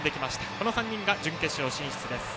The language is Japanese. この３人が準決勝進出です。